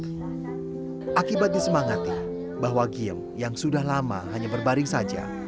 mereka juga diberi semangat bahwa giem yang sudah lama hanya berbaring saja